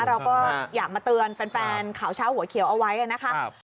เราก็อยากมาเตือนแฟนข่าวเช้าหัวเขียวเอาไว้นะคะ